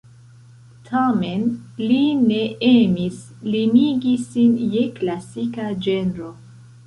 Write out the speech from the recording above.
Tamen li ne emis limigi sin je klasika ĝenro.